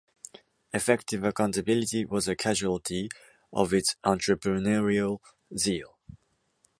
Effective accountability was a casualty of its entrepreneurial zeal.